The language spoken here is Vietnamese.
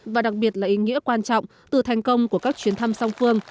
và đặc biệt là ý nghĩa quan trọng từ thành công của các chuyến thăm song phương